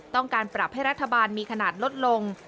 ต้องการปรับให้รัฐบาลมีขนาดลดลง